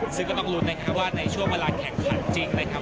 ซึ่งก็ต้องลุ้นนะครับว่าในช่วงเวลาแข่งขันจริงนะครับ